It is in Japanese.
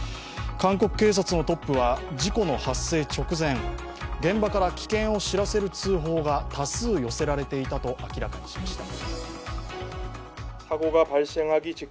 韓国警察のトップは事故の発生直前、現場から危険を知らせる通報が多数寄せられていたと明らかにしました。